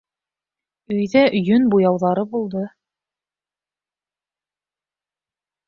Өйҙә йөн буяуҙары булды.